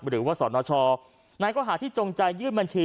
หรือว่าสนชในข้อหาที่จงใจยื่นบัญชี